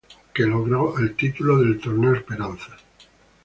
Que logró el título del torneo esperanzas.